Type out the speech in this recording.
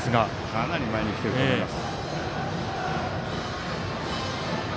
かなり前に来ていると思います。